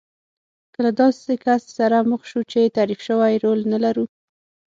که له داسې کس سره مخ شو چې تعریف شوی رول نه لرو.